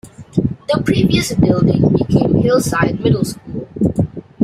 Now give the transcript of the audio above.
The previous building became Hillside Middle School.